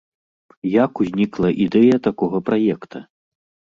Як узнікла ідэя такога праекта?